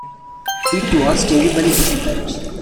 It was terribly difficult.